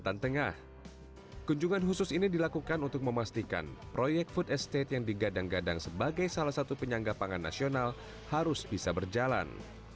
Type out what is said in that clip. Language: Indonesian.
di lahan tengah kunjungan khusus ini dilakukan untuk memastikan proyek food estate yang digadang gadang sebagai salah satu penyanggapangan nasional harus bisa berjalan